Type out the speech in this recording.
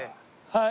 はい。